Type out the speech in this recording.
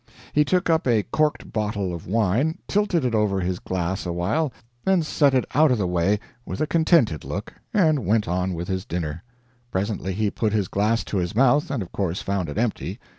He took up a CORKED bottle of wine, tilted it over his glass awhile, then set it out of the way, with a contented look, and went on with his dinner. Presently he put his glass to his mouth, and of course found it empty.